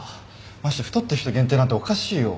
まして太ってる人限定なんておかしいよ。